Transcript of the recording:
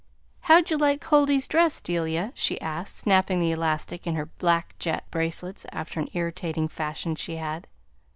"How'd you like Huldy's dress, Delia?" she asked, snapping the elastic in her black jet bracelets after an irritating fashion she had.